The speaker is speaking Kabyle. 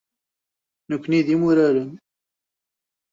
Nekkni d imuraren.